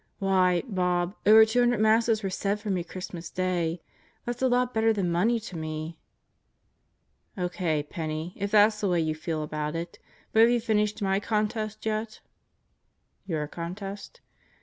Why, Bob, over 200 Masses were said for me Christmas Day. That's a lot better than money to me." "O.K., Penney, if that's the way you feel about it. But have you finished my contest yet?" "Your contest?"